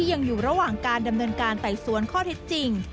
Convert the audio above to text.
ยังอยู่ระหว่างการดำเนินการไต่สวนข้อเท็จจริง